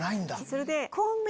それで。